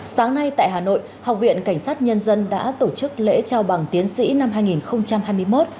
sáng nay tại hà nội học viện cảnh sát nhân dân đã tổ chức lễ trao bằng tiến sĩ năm hai nghìn hai mươi một